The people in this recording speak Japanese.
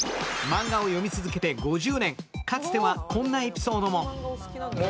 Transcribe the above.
マンガを読み続けて５０年、かつてはこんなエピソードも。